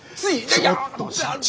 ちょっと社長！